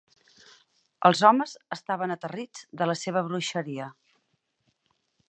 Els homes estaven aterrits de la seva bruixeria.